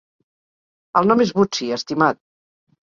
El nom és Bootsy, estimat!